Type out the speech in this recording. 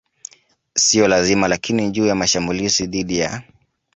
siyo lazima Lakini juu ya mashambulizi dhidi ya